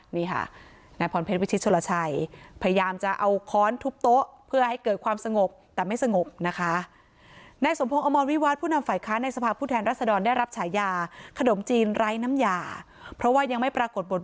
นี่ค่ะนายพรเพชรวิชิชชัวราชัยพยายามจะเอาข้อนทุบโต๊ะ